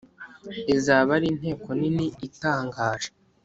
Izaba ari inteko nini itangaje!